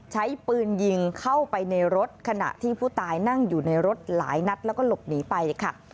ใช้ปืนยิงเข้าไปในรถขณะที่ผู้ตายนั่งอยู่ในรถหลายนัดแล้วก็หลบหนีไปค่ะ